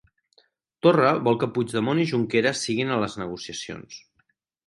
Torra vol que Puigdemont i Junqueras siguin a les negociacions